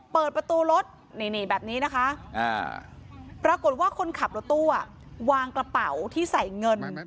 เปิดประตูรถนี่แบบนี้นะคะปรากฏว่าคนขับรถตู้วางกระเป๋าที่ใส่เงิน